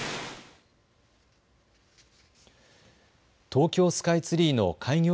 東京スカイツリーの開業